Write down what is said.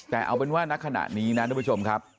แต่เอาเป็นว่าณขณะนี้นะทุกผู้ชมครับ